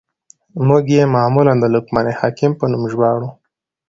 موږ ئې معمولاً د لقمان حکيم په نوم ژباړو.